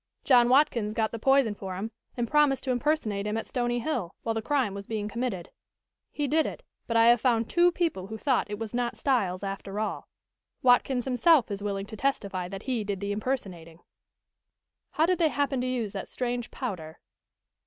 John Watkins got the poison for him, and promised to impersonate him at Stony Hill, while the crime was being committed. He did it, but I have found two people who thought it was not Styles after all. Watkins himself is willing to testify that he did the impersonating." "How did they happen to use that strange powder?"